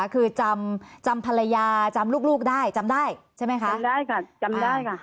คือจำจำภรรยาจำลูกได้จำได้ใช่ไหมคะจำได้ค่ะจำได้ค่ะ